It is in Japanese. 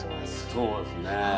そうですね。